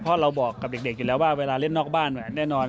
เพราะเราบอกกับเด็กอยู่แล้วว่าเวลาเล่นนอกบ้านแน่นอน